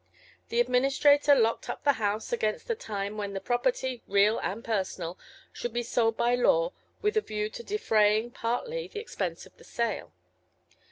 The administrator locked up the house against the time when the property, real and personal, should be sold by law with a view to defraying, partly, the expenses of the sale.